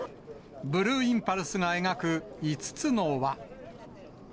ブルーインパルスが描く五つの輪。